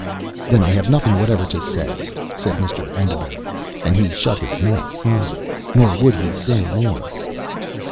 "Then I have nothing whatever to say," said Mr. Enderbury, and he shut his mouth firmly; nor would he say more.